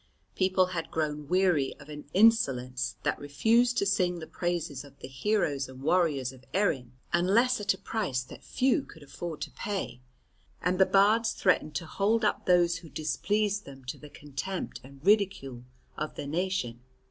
People had grown weary of an insolence that refused to sing the praises of the heroes and warriors of Erin unless at a price that few could afford to pay, and the Bards threatened to hold up those who displeased them to the contempt and ridicule of the nation.